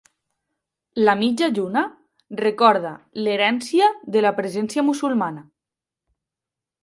La mitja lluna recorda l'herència de la presència musulmana.